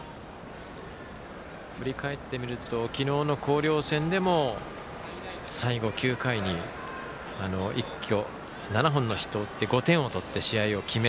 振り返ってみると昨日の広陵戦でも最後９回に一挙７本のヒットを打って５点を取って、試合を決め